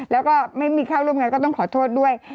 แล้วก็ไม่มีเข้าร่วมงานก็ต้องขอโทษด้วย